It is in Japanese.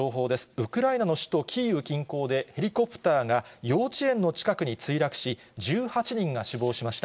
ウクライナの首都キーウ近郊で、ヘリコプターが幼稚園の近くに墜落し、１８人が死亡しました。